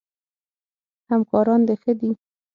همکاران د ښه دي؟